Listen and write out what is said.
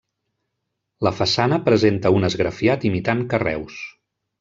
La façana presenta un esgrafiat imitant carreus.